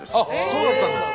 そうだったんですか？